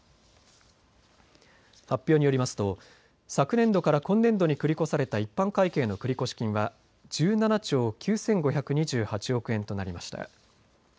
発表によりますと昨年度から今年度に繰り越された一般会計の繰越金は１７兆９５２８億円となりました。